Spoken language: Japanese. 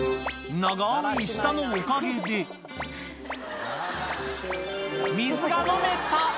長い舌のおかげで、水が飲めた。